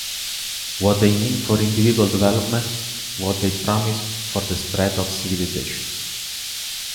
What They Mean for Individual Development, What They Promise for the Spread of Civilization".